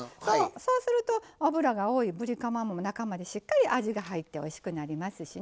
そうすると脂が多いぶりカマも中までしっかり味が入っておいしくなりますしね。